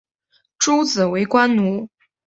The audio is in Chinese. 诸子为官奴。